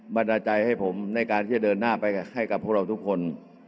บรรดาใจให้ผมในการที่จะเดินหน้าไปให้กับพวกเราทุกคน